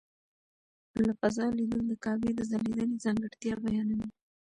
له فضا لیدل د کعبې د ځلېدنې ځانګړتیا بیانوي.